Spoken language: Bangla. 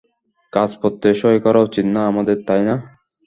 কাগজপত্রে সই করা উচিত না আমাদের, তাই না?